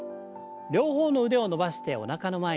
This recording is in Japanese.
両方の腕を伸ばしておなかの前に。